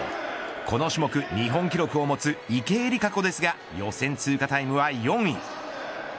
この種目、日本記録を持つ池江璃花子ですが予選通過タイムは４位。